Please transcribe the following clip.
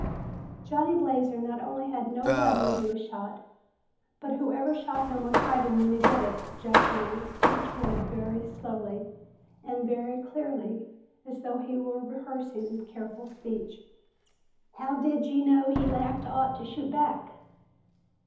"Johnny Blazer not only had no gun when he was shot, but whoever shot him was hiding when he did it!" Jeff pronounced each word very slowly and very clearly, as though he were rehearsing a careful speech. "How d'ye know he lacked aught to shoot back?"